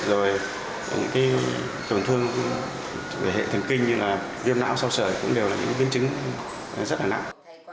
rồi một cái thường thương về hệ thần kinh như là viêm não sau sởi cũng đều là những biến chứng rất là nặng